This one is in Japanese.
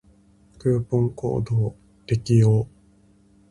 クーポンコードを適用